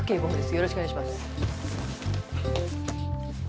よろしくお願いします。